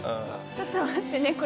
ちょっと待ってね。